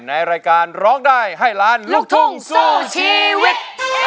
ในรายการร้องได้ให้ล้านลูกทุ่งสู้ชีวิต